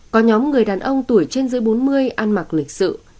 có nhóm người đàn ông tuổi trên dưới bốn mươi ăn mặc lịch sự